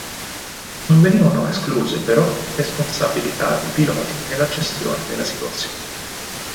Non venivano escluse, però, responsabilità dei piloti nella gestione della situazione.